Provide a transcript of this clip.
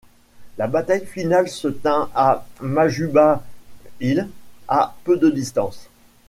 La bataille finale se tint à Majuba Hill à peu de distance.